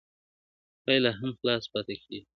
• پای لا هم خلاص پاته کيږي,